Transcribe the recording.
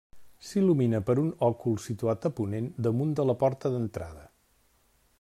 S'il·lumina per un òcul situat a ponent damunt de la porta d'entrada.